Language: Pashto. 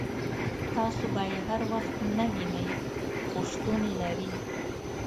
تاسو به یې هر وخت نه وینئ خو شتون لري.